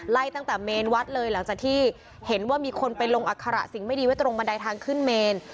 ไล่ตั้งแต่เมนวัดเลยหลังจากที่เห็นว่ามีคนไปลงอัคระสิ่งไม่ดีไว้ตรงบันไดทางขึ้นเมน